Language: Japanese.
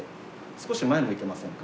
少し前向いてませんか？